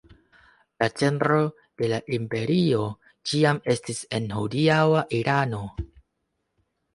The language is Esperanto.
La centro de la imperio ĉiam estis en hodiaŭa Irano.